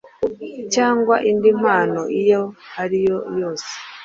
cyangwa indi mpano iyo ariyo yose